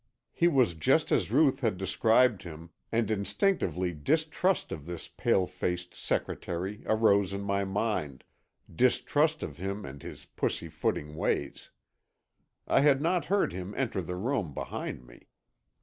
He was just as Ruth had described him and instinctively distrust of this pale faced secretary arose in my mind, distrust of him and his pussy footing ways. I had not heard him enter the room behind me.